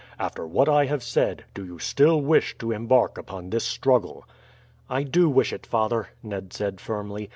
After what I have said, do you still wish to embark upon this struggle?" "I do wish it, father," Ned said firmly.